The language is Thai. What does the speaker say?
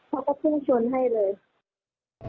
เขาก็พุ่งชนให้เลย